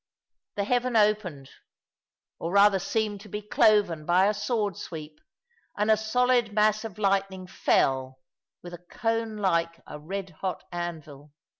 The heaven opened, or rather seemed to be cloven by a sword sweep, and a solid mass of lightning fell, with a cone like a red hot anvil.